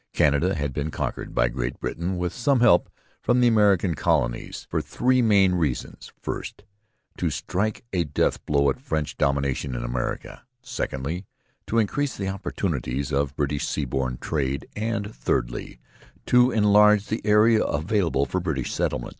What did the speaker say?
Canada had been conquered by Great Britain, with some help from the American colonies, for three main reasons: first, to strike a death blow at French dominion in America; secondly, to increase the opportunities of British seaborne trade; and, thirdly, to enlarge the area available for British settlement.